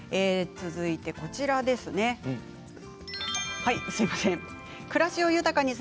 続いてはこちらです。